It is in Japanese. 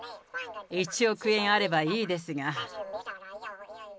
１億円あればいいですが。